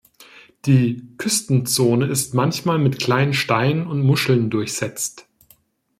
Die Küstenzone ist manchmal mit kleinen Steinen und Muscheln durchsetzt.